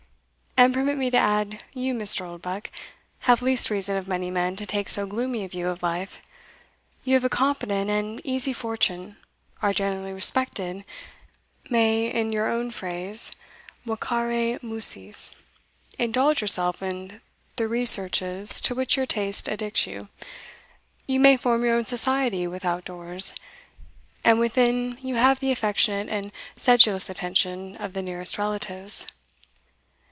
And permit me to add, you, Mr. Oldbuck, have least reason of many men to take so gloomy a view of life. You have a competent and easy fortune are generally respected may, in your own phrase, vacare musis, indulge yourself in the researches to which your taste addicts you; you may form your own society without doors and within you have the affectionate and sedulous attention of the nearest relatives."